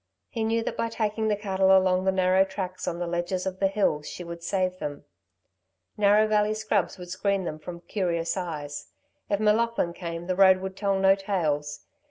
He knew that by taking the cattle along the narrow tracks on the ledges of the hills, she would save them. Narrow Valley scrubs would screen them from curious eyes. If M'Laughlin came, the road would tell no tales.